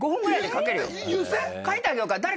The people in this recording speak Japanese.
かいてあげようか？